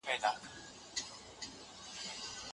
هيچا ته بايد د هغه د عقيدې په خاطر زيان ونه رسيږي.